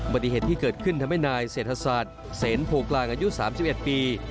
ปฏิเหตุที่เกิดขึ้นทำให้นายเศรษฐศาสตร์เสนโพกลางอายุ๓๑ปี